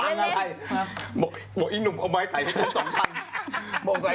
เอาตรงนี้แมนกูพูดอย่างนี้ไม่ได้ยังไหม